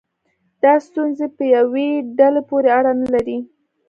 دا ستونزې په یوې ډلې پورې اړه نه لري.